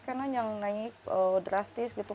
karena yang naik drastis gitu